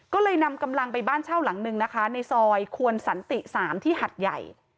ก็เลยนำกำลังไปบ้านเช่าหลังหนึ่งนะคะในซอยควรสันติ๓ที่หัดใหญ่